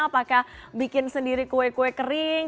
apakah bikin sendiri kue kue kering